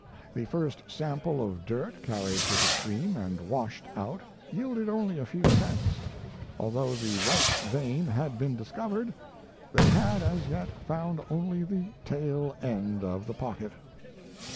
The first sample of dirt carried to the stream and washed out yielded only a few cents. Although the right vein had been discovered, they had as yet found only the tail end of the pocket.